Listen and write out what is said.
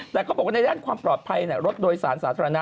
แต่เขาบอกว่าในด้านความปลอดภัยรถโดยสารสาธารณะ